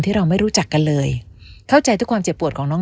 เราไม่รู้จักกันเลยเข้าใจทุกความเจ็บปวดของน้อง